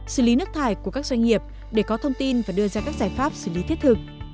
xử lý nước thải của các doanh nghiệp để có thông tin và đưa ra các giải pháp xử lý thiết thực